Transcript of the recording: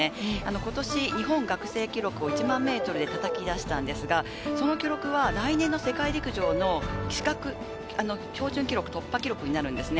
今年、日本学生記録を１００００ｍでたたき出したんですが、あの記録は来年の世界陸上の標準記録、突破記録になるんですね。